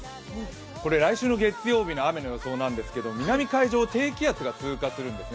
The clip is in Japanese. この来週の月曜日の雨の予想なんですけれども南海上を低気圧が通過するんですね。